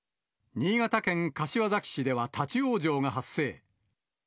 新潟県柏崎市では立往生が発生。